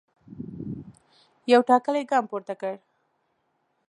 یو ټاکلی ګام پورته کړ.